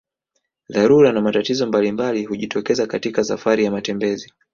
Dharura na matatizo mbalimbali hujitokeza katika safari ya matembezi